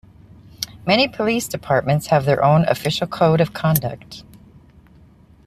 Many police departments have their own official code of conduct.